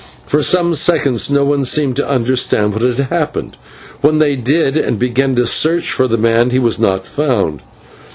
For some seconds no one seemed to understand what had happened, and when they did and began to search for the man, he was not to be found.